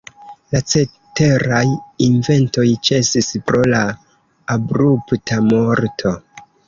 La ceteraj inventoj ĉesis pro la abrupta morto.